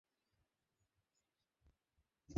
ঐ তো উপরে।